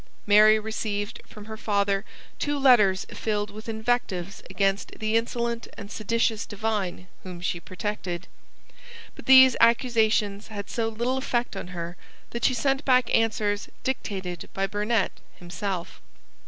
Mary received from her father two letters filled with invectives against the insolent and seditious divine whom she protected. But these accusations had so little effect on her that she sent back answers dictated by Burnet himself.